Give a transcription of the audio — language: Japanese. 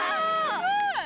すごい！